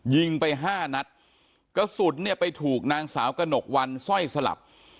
ยิงไป๕นัดกระสุนไปถูกนางสาวกนกวัญสร้อยสลับ